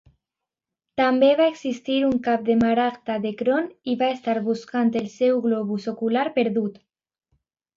També va existir un "Cap de maragda d'Ekron" i va estar buscant el seu globus ocular perdut.